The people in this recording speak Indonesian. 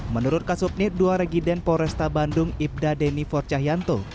menurut kasupnir dua regiden poresta bandung ibda deni forcahyanto